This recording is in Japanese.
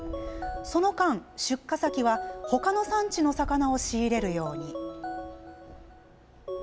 その間、出荷先は他の産地の魚を仕入れるように。